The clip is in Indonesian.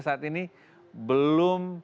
saat ini belum